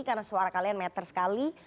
karena suara kalian meter sekali